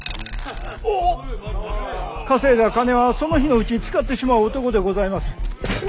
稼いだ金はその日のうちに使ってしまう男でございます。